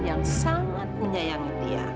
yang sangat menyayangi dia